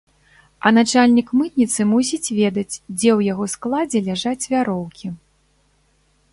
А начальнік мытніцы мусіць ведаць, дзе ў яго складзе ляжаць вяроўкі.